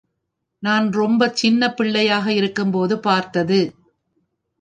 நான் ரொம்பச் சின்னப் பிள்ளையாக இருக்கும்போது பார்த்தது.